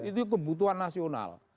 itu kebutuhan nasional